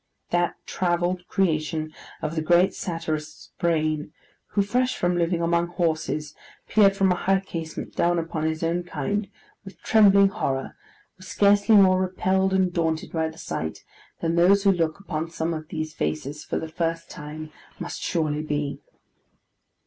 That travelled creation of the great satirist's brain, who fresh from living among horses, peered from a high casement down upon his own kind with trembling horror, was scarcely more repelled and daunted by the sight, than those who look upon some of these faces for the first time must surely be.